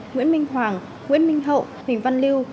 nguyễn minh hoàng nguyễn minh hậu huỳnh văn lưu